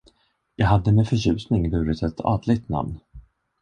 Jag hade med förtjusning burit ett adligt namn.